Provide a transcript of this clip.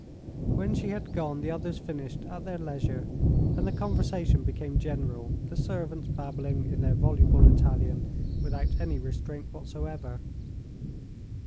When she had gone the others finished at their leisure, and the conversation became general, the servants babbling in their voluble Italian without any restraint whatever.